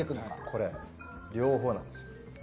これ、両方なんですよ。